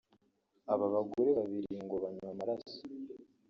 aba bagore babiri ngo banywa amaraso